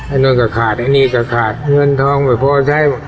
ไอ้นู้นก็ขาดไอ้นี่ก็ขาดเงินท้องแบบพอใช่